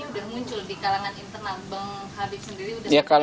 bang habib sendiri udah muncul